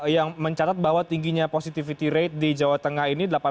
yang mencatat bahwa tingginya positivity rate di jawa tengah ini